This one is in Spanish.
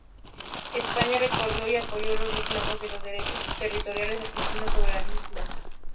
España reconoció y apoyó los reclamos de los derechos territoriales argentinos sobre las islas.